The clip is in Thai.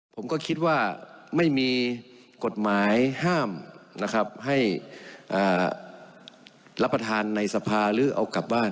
ผมก็คิดว่าไม่มีกฎหมายห้ามนะครับให้รับประทานในสภาหรือเอากลับบ้าน